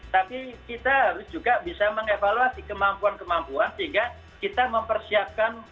tapi kita harus juga bisa mengevaluasi kemampuan kemampuan sehingga kita mempersiapkan